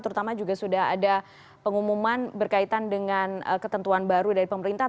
terutama juga sudah ada pengumuman berkaitan dengan ketentuan baru dari pemerintah